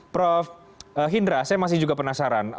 prof hindra saya masih juga penasaran